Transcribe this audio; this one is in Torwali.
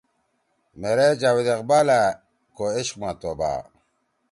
مھیرے جاوید اقبالأ کو عشق ما توبا